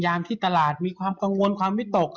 ที่ตลาดมีความกังวลความวิตก